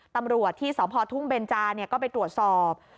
ตำรวจที่สพทุ่งเบนจาก็ไปตรวจสอบ